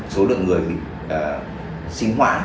số lượng người bị sinh hoãn